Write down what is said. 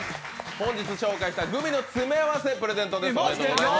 本日紹介したグミの詰め合わせをプレゼントします。